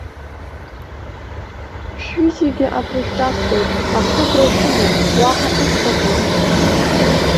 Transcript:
Шәҩыџьегьы акрышәҿасҵоит, ахыбра шәымоуп, уаҳа ишәҭахузеи!